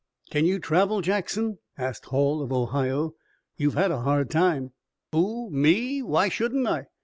"Can you travel, Jackson?" asked Hall of Ohio. "You've had a hard time." "Who? Me? Why shouldn't I?